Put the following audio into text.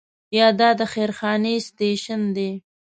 یا دا د خیر خانې سټیشن دی.